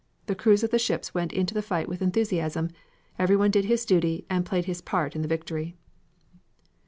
The crews of the ships went into the fight with enthusiasm, everyone did his duty, and played his part in the victory."